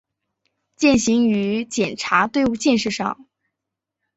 践行于检察队伍建设上